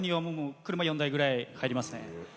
車４台ぐらい入りますね。